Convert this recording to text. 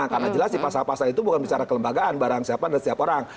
karena jelas sih pasal pasal itu bukan bicara kelembagaan barang siapa dan setiap orang